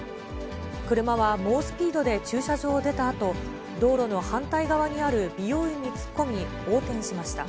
車は猛スピードで駐車場を出たあと、道路の反対側にある美容院に突っ込み、横転しました。